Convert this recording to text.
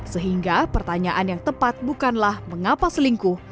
sehingga pertanyaan yang tepat bukanlah mengapa selingkuh